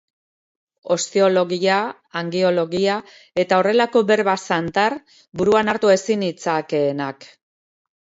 Osteologia, angeologia eta horrelako berba zantar, buruan hartu ezin nitzakeenak.